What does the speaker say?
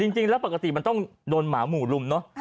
จริงแล้วปกติมันต้องโดนหมาหมู่ลุมเนอะ